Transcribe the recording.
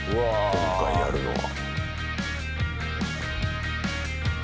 今回、やるのは。